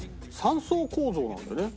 ３層構造なんだね。